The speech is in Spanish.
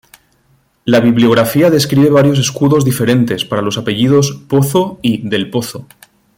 La bibliografía describe varios escudos diferentes para los apellidos "Pozo" y "del Pozo"'.